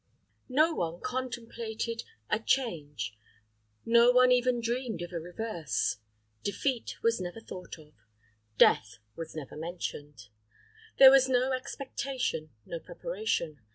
No one contemplated a change no one even dreamed of a reverse; defeat was never thought of; death was never mentioned. There was no expectation, no preparation.